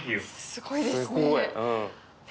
すごいですね。